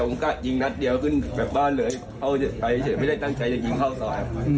ผมก็ยิงนัดเดียวขึ้นแบบบ้านเลยเข้าไปเฉยไม่ได้ตั้งใจจะยิงเข้าซอย